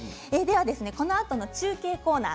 このあとの中継コーナー